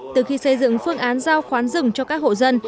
từ khi xây dựng phương án giao khoán rừng cho các hộ dân